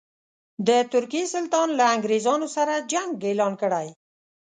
د ترکیې سلطان له انګرېزانو سره جنګ اعلان کړی.